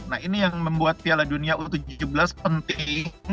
nah ini yang membuat piala dunia u tujuh belas penting